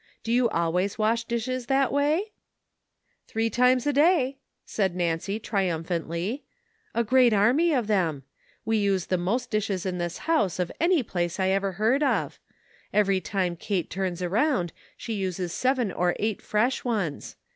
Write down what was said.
Do you always wash the dishes that way ?" "Three times a day," said Nancy trium phantly, '' a great army of them ; we use the most dishes in this house of any place I ever heard of; every time Kate turns around she uses seven or eight fresh ones.